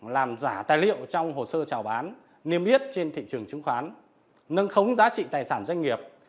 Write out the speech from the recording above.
làm giả tài liệu trong hồ sơ trào bán niêm yết trên thị trường chứng khoán nâng khống giá trị tài sản doanh nghiệp